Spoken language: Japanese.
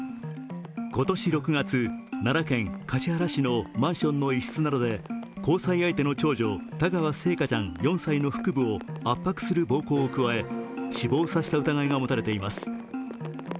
今年６月、奈良県橿原市のマンションの一室などで交際相手の長女・田川星華ちゃん、４歳の腹部を圧迫する暴行を加え死亡させた疑いが持たれています。